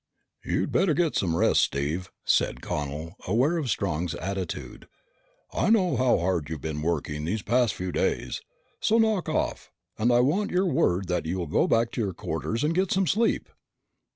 "You better get some rest, Steve," said Connel, aware of Strong's attitude. "I know how hard you've been working these past few days. So knock off and I want your word that you will go back to your quarters and get some sleep!"